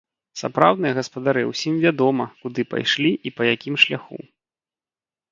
Сапраўдныя гаспадары, усім вядома, куды пайшлі і па якім шляху.